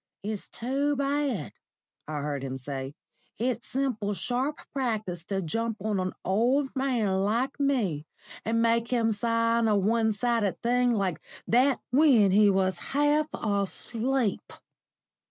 "It's too bad," I heard him say. "It's simple sharp practice to jump on an old man like me, and make him sign a one sided thing like that when he was half asleep!"